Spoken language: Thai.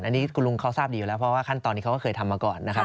อันนี้คุณลุงเขาทราบดีอยู่แล้วเพราะว่าขั้นตอนนี้เขาก็เคยทำมาก่อนนะครับ